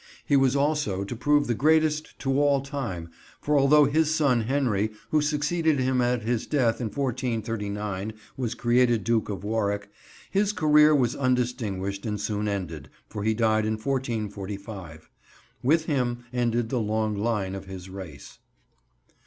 He was also to prove the greatest to all time, for although his son Henry who succeeded him at his death in 1439 was created Duke of Warwick, his career was undistinguished and soon ended, for he died in 1445. With him ended the long line of his race.